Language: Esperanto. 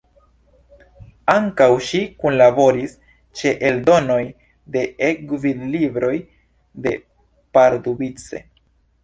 Ankaŭ ŝi kunlaboris ĉe eldonoj de E-gvidlibroj de Pardubice.